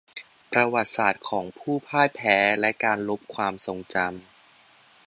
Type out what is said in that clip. ประวัติศาสตร์ของผู้พ่ายแพ้และการลบความทรงจำ